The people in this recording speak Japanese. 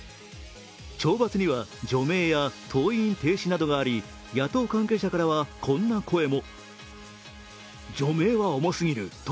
懲罰には除名や登院停止などがあり、野党関係者からはこんな声も。